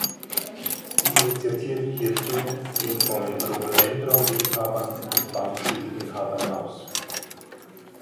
Die Initiative hierzu ging von Rhododendron Liebhabern und Baumschul-Inhabern aus.